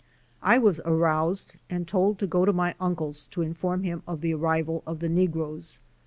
I was aroused and told to go to my uncle's to inform him of the arrival of the negroes.